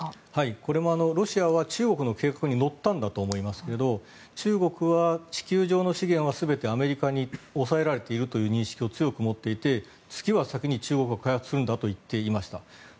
これもロシアは中国の計画に乗ったんだと思いますが中国は地球上の資源は全てアメリカに押さえられているという認識を強く持っていて月は先に中国が開発するんだと言っていました。